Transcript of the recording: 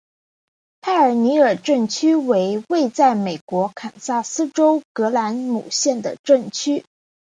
派厄尼尔镇区为位在美国堪萨斯州葛兰姆县的镇区。